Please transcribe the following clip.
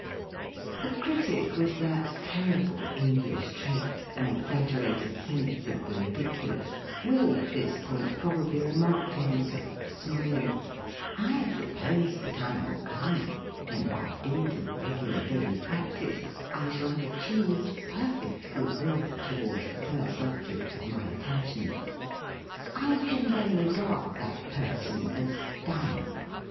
The critic with that terrible English trait, an exaggerated sense of the ridi culous, will at this point probably re THE FEAST OF ST FRIEND mark to himself, smiling: "I suppose the time will come, when by dint of reg ular daily practice, I shall have achieved perfect goodwill towards the first object of my attentions. I can then regard that person as 'done.'